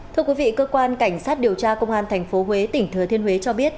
thưa quý vị cơ quan cảnh sát điều tra công an tp huế tỉnh thừa thiên huế cho biết